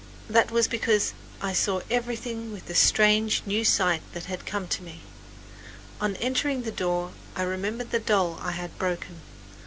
That was because I saw everything with the strange, new sight that had come to me. On entering the door I remembered the doll I had broken.